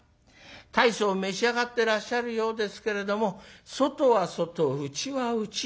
大層召し上がってらっしゃるようですけれども外は外内は内。